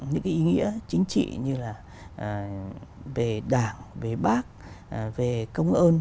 những cái ý nghĩa chính trị như là về đảng về bác về công ơn